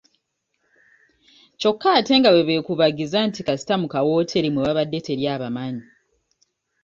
Kyokka ate nga bwe beekubagiza nti kasita mu kawooteri mwe babade teri abamanyi.